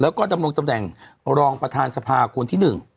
แล้วก็ดำรงตำแหน่งรองประธานสภาคนที่๑